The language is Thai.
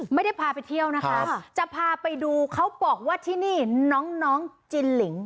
ไม่ได้พาไปเที่ยวนะคะจะพาไปดูเขาบอกว่าที่นี่น้องจินหลิง